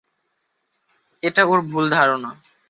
এটা ওর ভুল ধারণা।